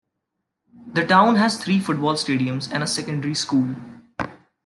The town has three football stadiums and a secondary school.